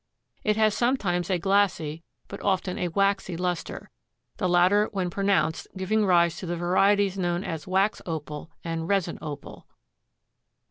It has sometimes a glassy, but often a waxy luster, the latter when pronounced giving rise to the varieties known as wax Opal and resin Opal.